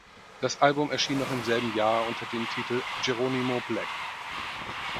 Das Album erschien noch im selben Jahr unter dem Titel "Geronimo Black".